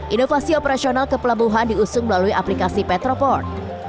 inovasi operasional kepelabuhan diusung melalui aplikasi petropod